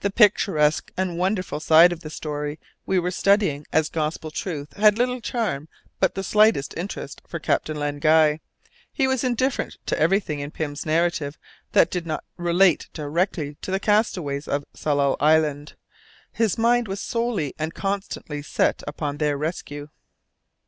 The picturesque and wonderful side of the story we were studying as gospel truth had little charm and but slight interest for Captain Len Guy; he was indifferent to everything in Pym's narrative that did not relate directly to the castaways of Tsalal Island: his mind was solely and constantly set upon their rescue.